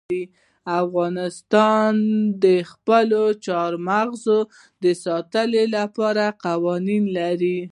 افغانستان د خپلو چار مغز د ساتنې لپاره قوانین لري.